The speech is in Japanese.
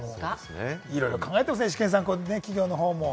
いろいろ考えてますね、イシケンさん、企業のほうも。